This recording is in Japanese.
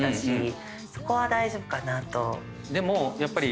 でもやっぱり。